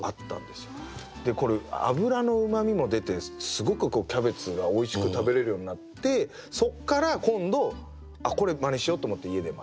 これ油のうまみも出てすごくキャベツがおいしく食べれるようになってそっから今度これ真似しようと思って家で真似して。